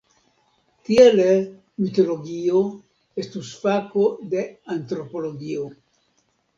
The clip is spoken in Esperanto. Tiele "mitologio" estus fako de antropologio.